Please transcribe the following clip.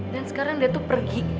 dan sekarang dia tuh pergi